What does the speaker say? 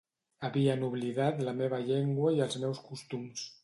Havien oblidat la meva llengua i els meus costums.